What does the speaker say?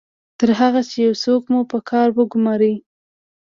تر هغه چې یو څوک مو په کار وګماري